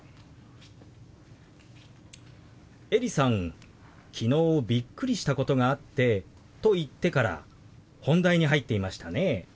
エリさん「昨日びっくりしたことがあって」と言ってから本題に入っていましたね。